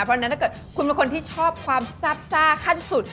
เพราะฉะนั้นถ้าเกิดคุณเป็นคนที่ชอบความซาบซ่าขั้นสุด